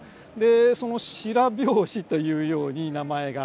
その白拍子というように名前が。